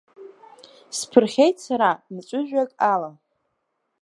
Сԥырхьеит сара мҵәыжәҩак ала…